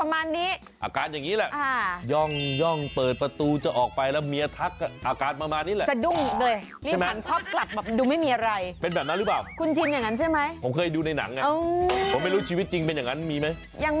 อ๋อมันจะมีแบบพลังของมัน